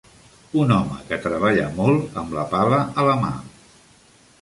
Un home que treballa molt amb la pala a la mà.